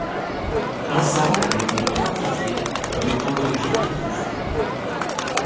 L'ensemble a été identifié comme étant d'origine étrusque.